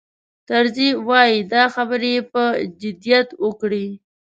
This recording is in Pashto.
طرزي وایي دا خبرې یې په جدیت وکړې.